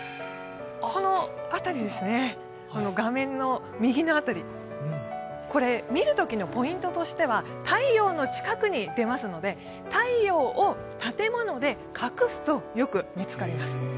画面の右の辺り、見るときのポイントとしては、太陽の近くに出ますので、太陽を建物で隠すとよく見つかります。